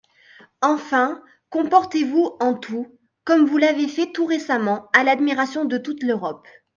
Enfin, comportez-vous en tout comme vous l'avez fait tout récemment à l'admiration de toute l'Europe.